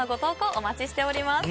お待ちしております。